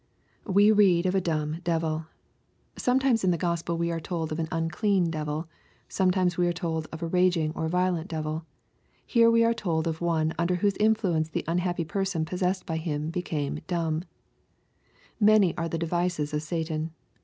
We read of a dumb devil. Sometimes in the Gospel we are told of an " unclean" devil. Sometimes we are told of a raging and violent devil. Here we are told of one under wh(»se influence the unhappy person possessed by him be caijie " dumb." Many are the devices of Satan.